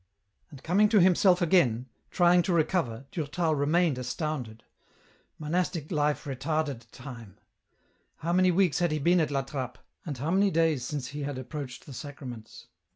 And, coming to himself again, trying to recover, Durtal remained astounded. Monastic life retarded time. How many weeks had he been at La Trappe, and how many days since had he approached the Sacraments ?